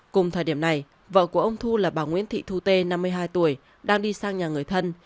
cùng thời điểm này vợ của ông thu là bà nguyễn thị thu tê năm mươi hai tuổi đang đi sang nhà người thân